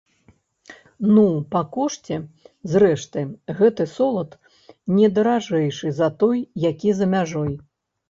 Ну, па кошце, зрэшты, гэты солад не даражэйшы за той, які за мяжой.